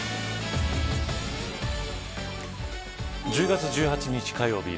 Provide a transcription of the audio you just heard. １０月１８日火曜日